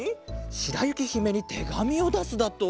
しらゆきひめにてがみをだすだと？